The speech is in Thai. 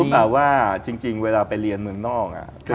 คุณรู้ป่ะว่าจริงเวลาไปเรียนเมืองนอก